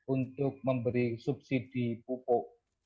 untuk memberi subsidi pupuk